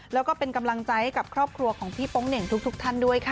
แล้วก็เป็นกำลังใจให้กับครอบครัวของพี่โป๊งเหน่งทุกท่านด้วยค่ะ